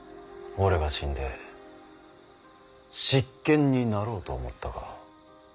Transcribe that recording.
俺が死んで執権になろうと思ったか。